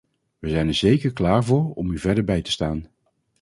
We zijn er zeker klaar voor om u verder bij te staan.